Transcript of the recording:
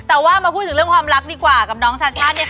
แต่ว่ามาพูดถึงเรื่องความรักดีกว่ากับน้องชาช่าเนี่ยค่ะ